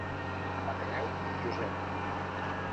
Lacreu, Josep.